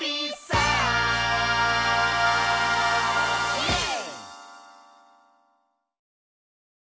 イエーイ！